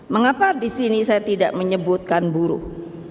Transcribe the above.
mengapa disini saya tidak menyebutkan buruh